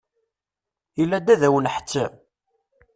Ilad ad wen-nḥettem?